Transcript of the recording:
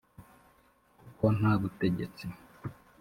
kuko nta butegetsi